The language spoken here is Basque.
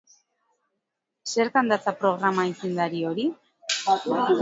Zertan datza programa aitzindari hori?